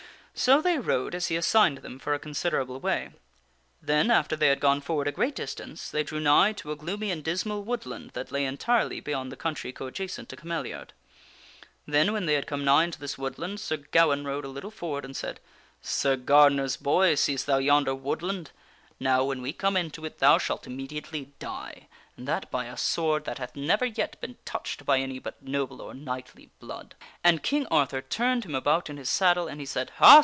So they rode as he assigned them for a considerable way. Then after they had gone forward a great distance, they drew nigh to a gloomy and dismal woodland that lay entirely beyond the country coadjacent to Cameliard. Then, when they had come nigh unto this woodland, Sir Ga waine rode a little forward, and he said :" Sir Gardener's Boy, seest thou yonder woodland? Now when we come into it thou shalt immediately die, and that by a sword that hath never yet been touched by any but noble or knightly blood." And King Arthur turned him about in his saddle, and he said : "Ha!